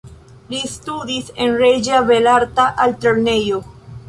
Li studis en Reĝa Belarta Altlernejo.